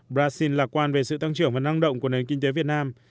brazil lạc quan về sự tăng trưởng và năng động của nền kinh tế việt nam